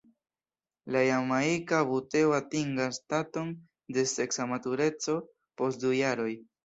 La Jamajka buteo atingas staton de seksa matureco post du jaroj.